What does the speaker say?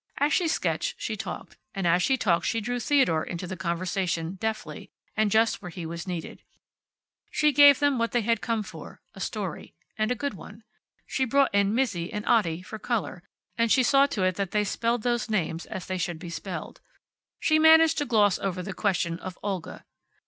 As she sketched she talked, and as she talked she drew Theodore into the conversation, deftly, and just when he was needed. She gave them what they had come for a story. And a good one. She brought in Mizzi and Otti, for color, and she saw to it that they spelled those names as they should be spelled. She managed to gloss over the question of Olga.